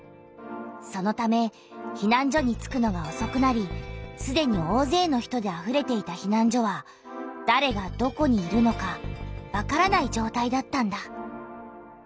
そのためひなん所に着くのがおそくなりすでにおおぜいの人であふれていたひなん所はだれがどこにいるのかわからないじょうたいだったんだ。